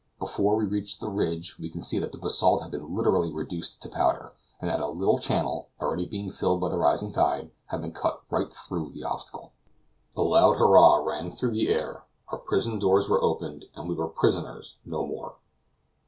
Before we reached the ridge we could see that the basalt had been literally reduced to powder, and that a little channel, already being filled by the rising tide, had been cut right through the obstacle. A loud hurrah rang through the air; our prison doors were opened, and we were prisoners no more.